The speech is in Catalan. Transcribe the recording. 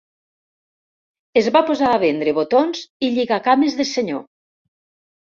Es va posar a vendre botons i lligacames de senyor.